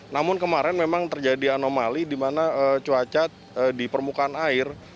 namun kemarin memang terjadi anomali di mana cuaca di permukaan air